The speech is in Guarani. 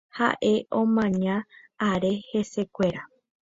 Ha'e omaña are hesekuéra.